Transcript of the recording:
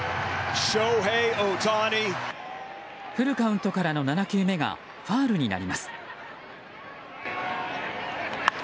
フルカウントからの７球目がファウルになります。